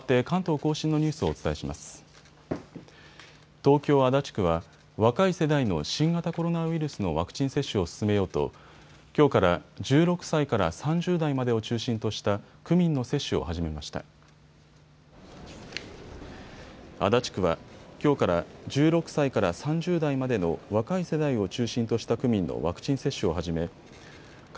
東京足立区は若い世代の新型コロナウイルスのワクチン接種を進めようときょうから１６歳から３０代までを中心とした区民の接種を始めました。